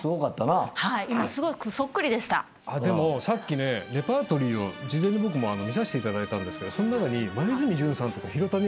さっきねレパートリー見させていただいたんですけどその中に。